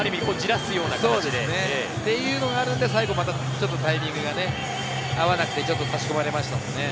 そういうのがあるんで最後またタイミングが合わなくて差し込まれましたね。